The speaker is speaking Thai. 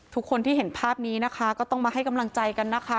ทุกคนที่เห็นภาพนี้นะคะก็ต้องมาให้กำลังใจกันนะคะ